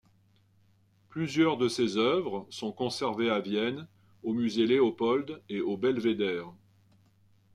Plusieurs de ses œuvres sont conservées à Vienne au musée Leopold et au Belvedere.